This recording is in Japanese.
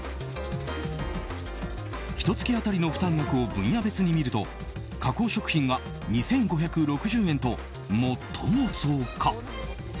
ひと月当たりの負担額を分野別に見ると加工食品が２５６０円と最も増加。